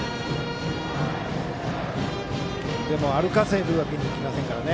でも、歩かせるわけにはいきませんからね。